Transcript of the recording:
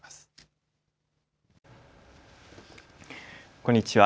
こんにちは。